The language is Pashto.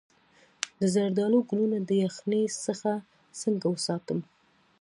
د زردالو ګلونه د یخنۍ څخه څنګه وساتم؟